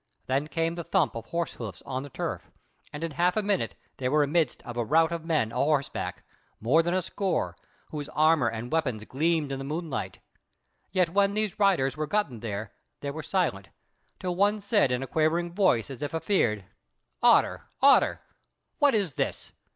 Then came the thump of horse hoofs on the turf, and in half a minute they were amidst of a rout of men a horseback, more than a score, whose armour and weapons gleamed in the moonlight: yet when these riders were gotten there, they were silent, till one said in a quavering voice as if afeard: "Otter, Otter! what is this?